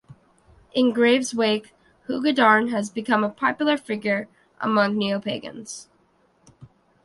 In Graves' wake, Hu Gadarn has become a popular figure among Neopagans.